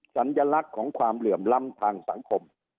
สัญลักษณ์ของความเหลื่อมล้ำทางสังคม